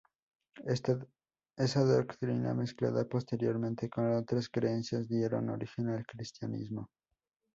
Esa doctrina, mezclada posteriormente con otras creencias dieron origen al cristianismo.